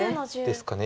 ですかね。